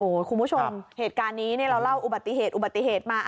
คุณผู้ชมเหตุการณ์นี้เนี่ยเราเล่าอุบัติเหตุอุบัติเหตุมา